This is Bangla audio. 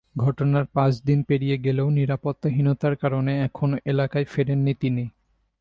ঘটনার পাঁচ দিন পেরিয়ে গেলেও নিরাপত্তাহীনতার কারণে এখনো এলাকায় ফেরেননি তিনি।